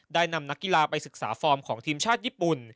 ได้นำนักกีฬาไปศึกษาฟอร์มของทีมชาติญี่ปุ่น